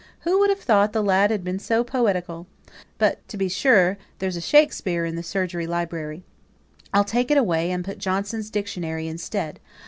"Who would have thought the lad had been so poetical? but, to be sure, there's a 'Shakspeare' in the surgery library: I'll take it away and put 'Johnson's Dictionary' instead.